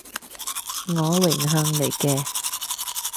我榮幸嚟嘅